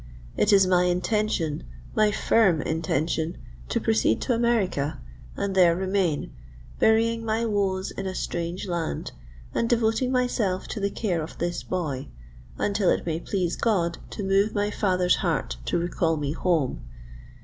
It is my intention—my firm intention to proceed to America, and there remain—burying my woes in a strange land, and devoting myself to the care of this boy—until it may please God to move my father's heart to recall me home!